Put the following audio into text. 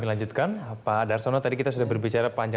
untuk pilot pilotnya beroperasi